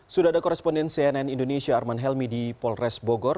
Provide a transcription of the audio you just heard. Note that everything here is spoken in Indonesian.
sudah ada koresponden cnn indonesia arman helmi di polres bogor